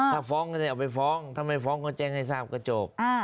ถ้าฟ้องก็ได้เอาไปฟ้องถ้าไม่ฟ้องก็แจ้งให้ทราบก็จบ